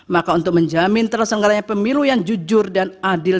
maka untuk menjamin tersenggaranya pemilu yang jujur dan adil